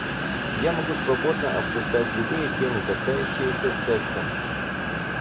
Я могу свободно обсуждать любые темы, касающиеся секса.